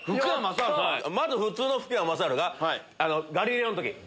まず普通の福山雅治が『ガリレオ』の時の。